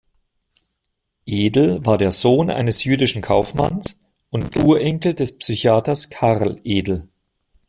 Edel war der Sohn eines jüdischen Kaufmanns und Urenkel des Psychiaters Karl Edel.